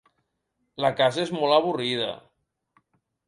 La casa és molt avorrida.